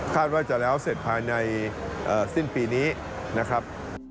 ว่าจะแล้วเสร็จภายในสิ้นปีนี้นะครับ